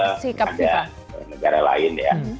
ya pernah ada negara lain ya